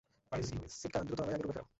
সিটকা, দ্রুত আমায় আগের রুপে ফেরাও।